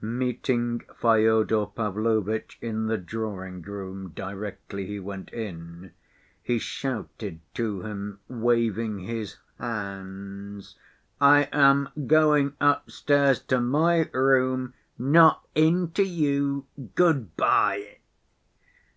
Meeting Fyodor Pavlovitch in the drawing‐room directly he went in, he shouted to him, waving his hands, "I am going upstairs to my room, not in to you. Good‐by!"